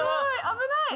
危ない！